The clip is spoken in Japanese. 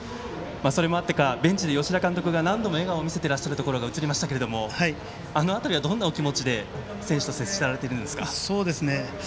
それもあってかベンチで吉田監督が何度も笑顔を見せているところが映りましたがあの辺りはどんなお気持ちで選手と接しているんですか。